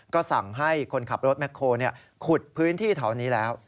ก็สั่งให้คนขับรถแคลขุดพื้นที่แถวนี้แล้ว